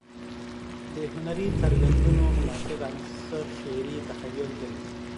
د هنري څرګندونو مناسب عنصر شعري تخيل دى.